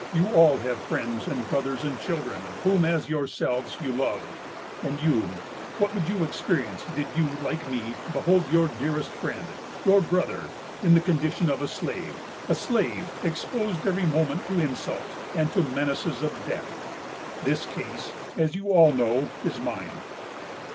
You all have friends, and brothers, and children, whom as yourselves you love; and you,——what would you experience, did you, like me, behold your dearest friend——your brother——in the condition of a slave; a slave, exposed every moment to insult, and to menaces of death? This case, as you all know, is mine.